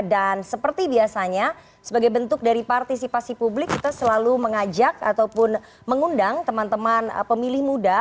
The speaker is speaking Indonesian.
dan seperti biasanya sebagai bentuk dari partisipasi publik kita selalu mengajak ataupun mengundang teman teman pemilih muda